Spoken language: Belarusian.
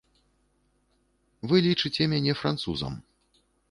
Вы лічыце мяне французам.